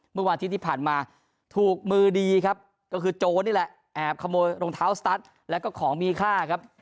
เมื่อวานที่ผ่านมาถูกมือดีก็คือโจ๊ะนี่แหละแอบขโมยรองเท้าสตั๊ดและของมีค่า